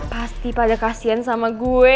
pasti pada kasian sama gue